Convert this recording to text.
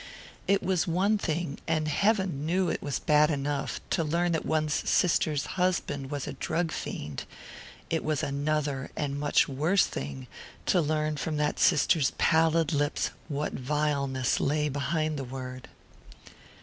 It was one thing and heaven knew it was bad enough! to learn that one's sister's husband was a drug fiend; it was another, and much worse thing, to learn from that sister's pallid lips what vileness lay behind the word.